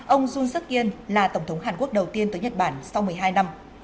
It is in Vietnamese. ông jun suk in là tổng thống hàn quốc đầu tiên tới nhật bản sau một mươi hai năm